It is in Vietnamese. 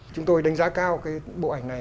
chúng tôi đánh giá cao cái bộ ảnh này